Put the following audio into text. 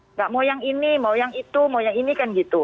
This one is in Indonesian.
nggak mau yang ini mau yang itu mau yang ini kan gitu